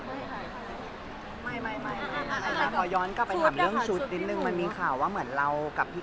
ก็ยังไม่อยากให้คนอื่นฟังคนอื่นแล้วไม่ตีความอะไรแบบนี้